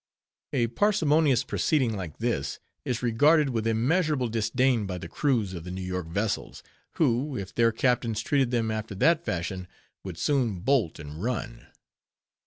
A parsimonious proceeding like this is regarded with immeasurable disdain by the crews of the New York vessels, who, if their captains treated them after that fashion, would soon bolt and run.